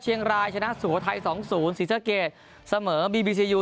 เชียงรายชนะสุโขทัย๒๐ศรีสะเกดเสมอบีบีซียู